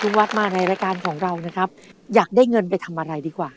วัดมาในรายการของเรานะครับอยากได้เงินไปทำอะไรดีกว่า